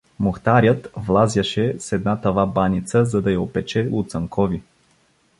Мухтарят влазяше с една тава баница, за да я опече у Цанкови.